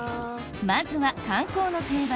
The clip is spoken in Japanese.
まずは観光の定番